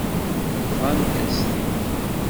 Bḍant-as-t-id.